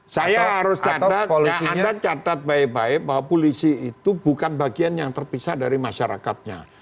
saya catat baik baik bahwa polisi itu bukan bagian yang terpisah dari masyarakatnya